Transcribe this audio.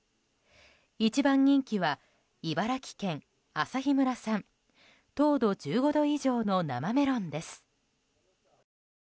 一番人気は、茨城県旭村産糖度１５度以上の生メロンです。